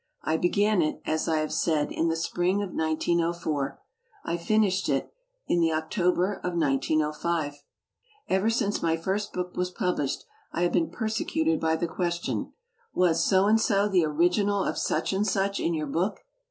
I began it, as I have said, in the spritig of 1904. I finished it in the October of 1905. Ever since my first book was published I have been persecuted by the question "Was so and so the original of such and such in your book.'"